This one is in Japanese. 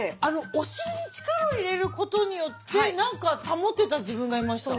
お尻に力を入れることによって何か保てた自分がいました。